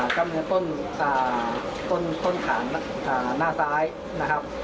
กล้ามเนื้อต้นขาหน้าซ้ายนะครับ